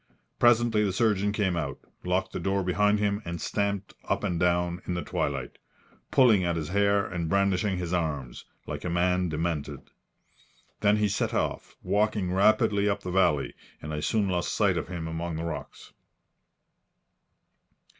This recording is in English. Presently the surgeon came out, locked the door behind him and stamped up and down in the twilight, pulling at his hair and brandishing his arms, like a man demented. Then he set off, walking rapidly up the valley, and I soon lost sight of him among the rocks.